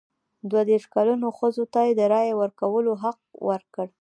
دوه دیرش کلنو ښځو ته د رایې ورکولو حق ورکړ.